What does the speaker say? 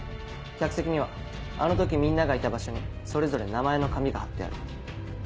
客席にはあの時みんながいた場所にそれぞれ名前の紙がはってある。